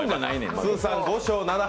通算５勝７敗。